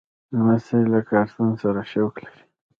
لمسی له کارتون سره شوق لري.